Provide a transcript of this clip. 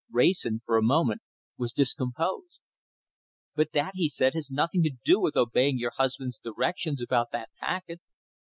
Wrayson, for a moment, was discomposed. "But that," he said, "has nothing to do with obeying your husband's directions about that packet."